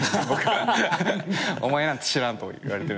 「お前なんて知らん」と言われて。